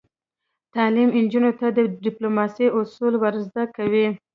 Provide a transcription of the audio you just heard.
تعلیم نجونو ته د ډیپلوماسۍ اصول ور زده کوي.